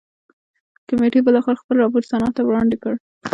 کمېټې بالاخره خپل راپور سنا ته وړاندې کړ.